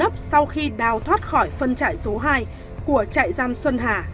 bao thoát khỏi phân trại số hai của trại giam xuân hà